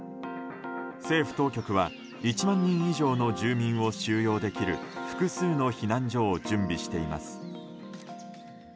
政府当局は１万人以上の住民を収容できる複数の避難所を準備しています。